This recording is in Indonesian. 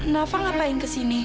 nafa ngapain kesini